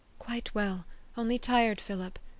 "Quite well; only tired, Philip.